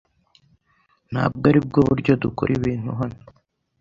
Ntabwo aribwo buryo dukora ibintu hano.